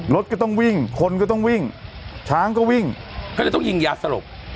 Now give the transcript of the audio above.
รถก็ต้องวิ่งคนก็ต้องวิ่งช้างก็วิ่งก็เลยต้องยิงยาสลบ